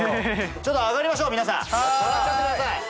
ちょっと上がりましょう皆さん上がっちゃってください。